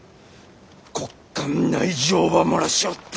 国家ん内情ば漏らしおって！